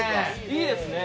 いいですね。